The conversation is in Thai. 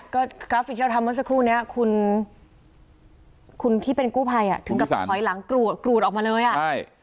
ก็กราฟิกที่เราทำเมื่อสักครู่นี้คุณที่เป็นกู้ภัยถึงกระท้อยหลังกรูดออกมาเลย